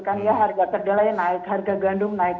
mereka ya harga kerdilanya naik harga gandum naik